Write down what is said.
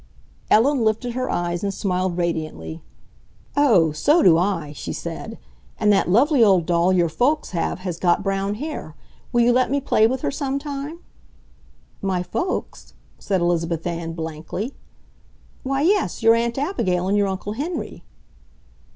Ellen lifted her eyes and smiled radiantly. "Oh, so do I!" she said. "And that lovely old doll your folks have has got brown hair. Will you let me play with her some time?" "My folks?" said Elizabeth Ann blankly. "Why yes, your Aunt Abigail and your Uncle Henry."